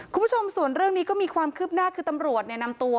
คุณผู้ชมส่วนเรื่องนี้ก็มีความคืบหน้าคือตำรวจนำตัว